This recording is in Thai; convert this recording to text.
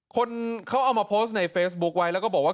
คนเขาเอามาโพสต์ในเฟซบุ๊คไว้แล้วก็บอกว่า